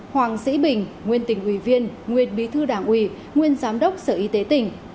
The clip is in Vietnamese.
hoàng sĩ bình nguyên tỉnh ủy viên nguyên bí thư đảng ủy nguyên giám đốc sở y tế tỉnh